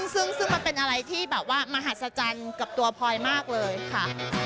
ซึ่งมันเป็นอะไรที่แบบว่ามหัศจรรย์กับตัวพลอยมากเลยค่ะ